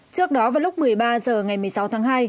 trước đó vào lúc một mươi ba h ngày một mươi sáu tháng hai